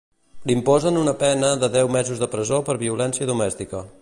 Li imposen una pena de deu mesos de presó per violència domèstica.